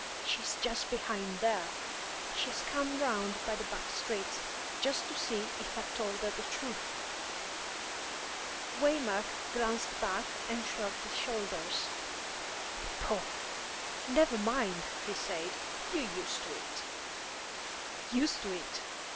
She is just behind there. She has come round by the back streets, just to see if I'd told her the truth." Waymark glanced back and shrugged his shoulders. "Pooh! Never mind," he said. "You're used to it." "Used to it!